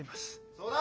そうだ！